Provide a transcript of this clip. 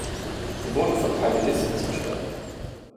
Sie wurde von Calvinisten zerstört.